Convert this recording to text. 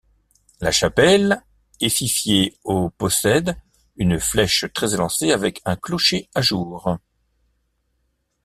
La chapelle éfifiée au possède une flèche très élancée avec un clocher à jour.